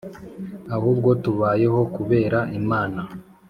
Ahubwo tubayeho kubera imana